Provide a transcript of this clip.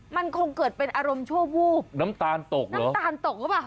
มันคงเกิดเป็นอารมณ์ชั่ววูบน้ำตาลตกน้ำตาลตกหรือเปล่า